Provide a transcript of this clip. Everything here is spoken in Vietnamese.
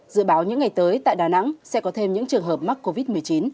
dự báo những ngày tới tại đà nẵng sẽ có thêm những trường hợp mắc covid một mươi chín